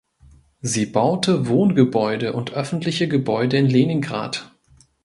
Sie baute Wohngebäude und öffentliche Gebäude in Leningrad.